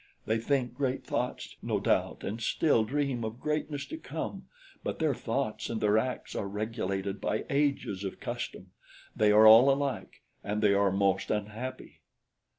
They think great thoughts, no doubt, and still dream of greatness to come, but their thoughts and their acts are regulated by ages of custom they are all alike and they are most unhappy."